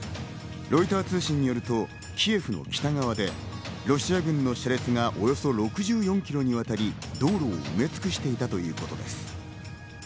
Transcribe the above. ロイター通信によると、キエフの北側でロシア軍の車列がおよそ６４キロにわたり道路を埋め尽くしていたということです。